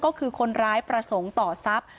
ก็คือคนร้ายประสงค์ต่อทรัพย์